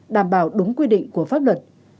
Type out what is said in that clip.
đảm bảo đúng quy định của pháp luật